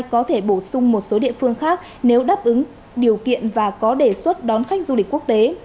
có thể bổ sung một số địa phương khác nếu đáp ứng điều kiện và có đề xuất đón khách du lịch quốc tế